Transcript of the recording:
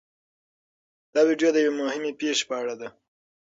دا ویډیو د یوې مهمې پېښې په اړه ده.